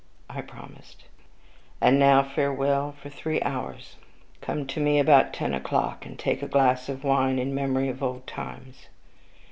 I promised. "And now farewell for three hours. Come to me again about ten o'clock, and take a glass of wine in memory of old times."